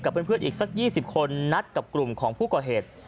เพื่อนอีกสัก๒๐คนนัดกับกลุ่มของผู้ก่อเหตุ